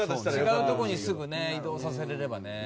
違うとこにすぐね移動させられればね。